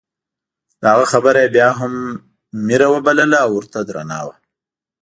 د هغه خبره یې بیا هم میره وبلله او ورته درنه وه.